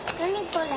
これ。